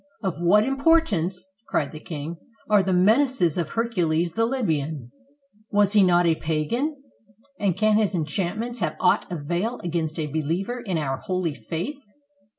"Of what importance," cried the king, "are the men aces of Hercules the Libyan? Was he not a pagan? and can his enchantments have aught avail against a be liever in our holy faith?